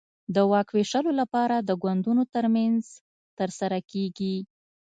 د واک وېشلو لپاره د ګوندونو ترمنځ ترسره کېږي.